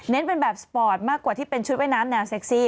เป็นแบบสปอร์ตมากกว่าที่เป็นชุดว่ายน้ำแนวเซ็กซี่